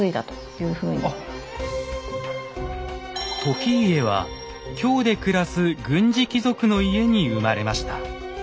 時家は京で暮らす軍事貴族の家に生まれました。